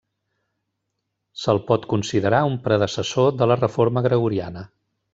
Se'l pot considerar un predecessor de la Reforma Gregoriana.